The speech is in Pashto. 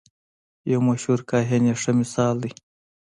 یو مشهور کاهن یې ښه مثال دی.